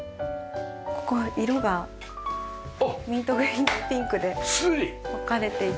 ここは色がミントグリーンとピンクで分かれていて。